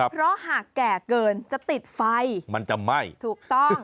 เพราะหากแก่เกินจะติดไฟมันจะไหม้ถูกต้อง